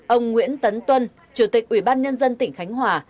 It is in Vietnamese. ông nguyễn tấn tuân chủ tịch ủy ban nhân dân tỉnh khánh hòa